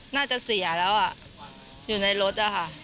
หน้าจะเสียแล้วอยู่ในรถครับ